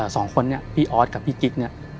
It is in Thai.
สองคนนี้พี่ออสกับพี่กิ๊กเนี่ย